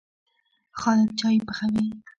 خالد چايي پخوي.